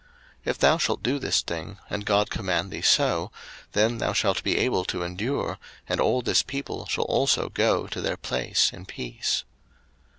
02:018:023 If thou shalt do this thing, and God command thee so, then thou shalt be able to endure, and all this people shall also go to their place in peace.